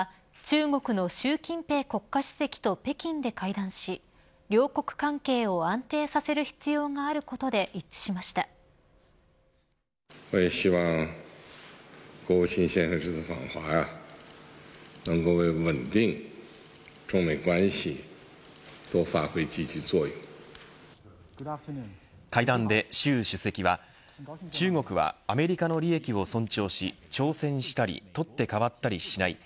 アメリカのブリンケン国務長官は中国の習近平国家主席と北京で会談し両国関係を安定させる必要があることで会談で習主席は中国はアメリカの利益を尊重し挑戦したり取って代わったりしない。